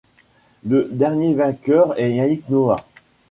Le dernier vainqueur est Yannick Noah.